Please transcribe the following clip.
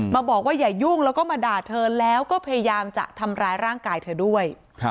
มาบอกว่าอย่ายุ่งแล้วก็มาด่าเธอแล้วก็พยายามจะทำร้ายร่างกายเธอด้วย